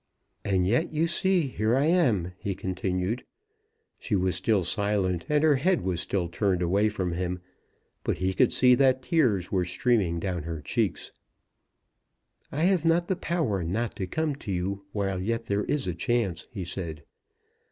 "And yet you see here I am," he continued. She was still silent, and her head was still turned away from him; but he could see that tears were streaming down her cheeks. "I have not the power not to come to you while yet there is a chance," he said.